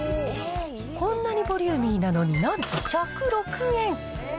こんなにボリューミーなのに、なんと１０６円。